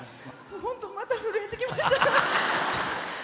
本当、また震えてきました。